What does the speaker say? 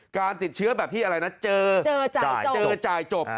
การติดเชื้อแบบที่เจอจ่ายจบ